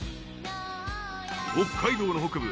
［北海道の北部